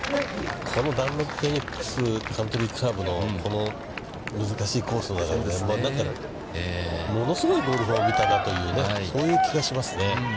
このダンロップフェニックスカントリークラブのこの難しいコースの中で物すごいゴルフを見たなという、そういう気がしますね。